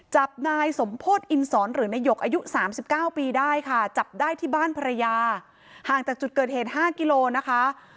จับนายสมโพธิอินสอนหรือนายหยกอายุ๓๙ปีได้ค่ะจับได้ที่บ้านภรรยาห่างจากจุดเกิดเหตุ๕กิโลนะคะ